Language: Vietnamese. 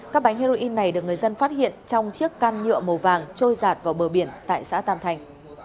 các bánh heroin này được người dân phát hiện trong chiếc can nhựa màu vàng trôi giạt vào bờ biển tại xã tam thanh